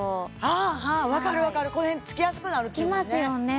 ああわかるわかるこの辺つきやすくなるっていうもんねつきますよね